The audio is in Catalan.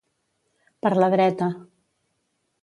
Per la dreta.